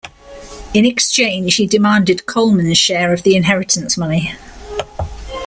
In exchange, he demanded Coleman's share of the inheritance money.